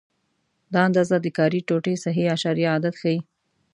دا اندازه د کاري ټوټې صحیح اعشاریه عدد ښيي.